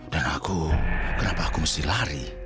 dan aku kenapa aku mesti lari